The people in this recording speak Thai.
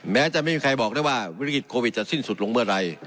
แม้จะไม่มีใครบอกได้ว่าวิกฤตโควิดจะสิ้นสุดลงเมื่อไหร่